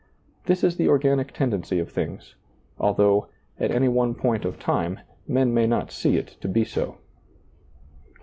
This is the organic tendency of things, although, at any one point of time, men may not see it to be so.